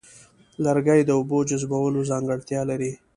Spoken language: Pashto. لرګي د اوبو جذبولو ځانګړتیا لري.